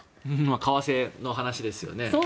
為替の話ですよね。